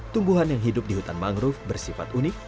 tumbuhan yang hidup di hutan mangrove bersifat unik